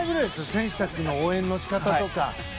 選手たちの応援の仕方とか。